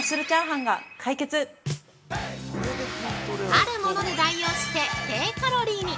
◆あるもので代用して低カロリーに！